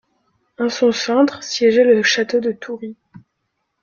En son centre siégeait le château de Thoury.